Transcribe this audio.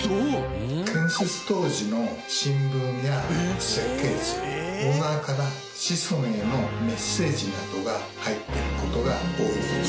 建設当時の新聞や設計図オーナーから子孫へのメッセージなどが入っている事が多いです。